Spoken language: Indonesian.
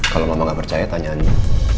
kalau mama gak percaya tanya andi